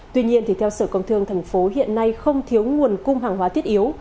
tuy nhiên theo sở công thương tp hcm hiện nay không thiếu nguồn cung hàng hóa thiết yếu